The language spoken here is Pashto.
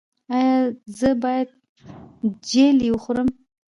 ایا زه باید جیلې وخورم؟